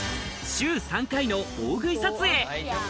週３回の大食い撮影。